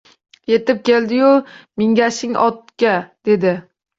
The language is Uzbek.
Yetib keldiyu «Mingashing otga!», dedi…